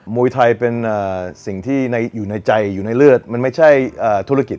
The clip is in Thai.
มวยไทยเป็นสิ่งที่อยู่ในใจอยู่ในเลือดมันไม่ใช่ธุรกิจ